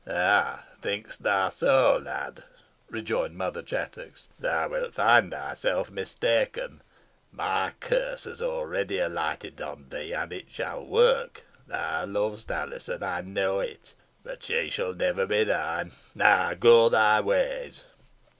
"Ah! think'st thou so, lad," rejoined Mother Chattox. "Thou wilt find thyself mistaken. My curse has already alighted upon thee, and it shall work. Thou lov'st Alizon. I know it. But she shall never be thine. Now, go thy ways."